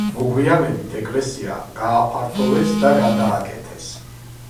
მოგვიანებით ეკლესია გააფართოვეს და გადააკეთეს.